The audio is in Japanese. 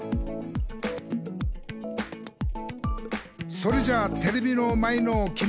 「それじゃテレビの前のきみ！」